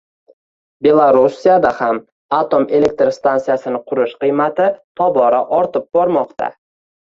Belorussiyada ham atom elektr stantsiyasini qurish qiymati tobora ortib bormoqda